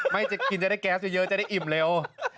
ไม่จะกินจะได้แก๊สเยอะจะได้อิ่มเร็ว